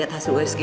aku mau pergi